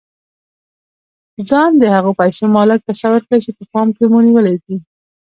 ځان د هغو پيسو مالک تصور کړئ چې په پام کې مو نيولې دي.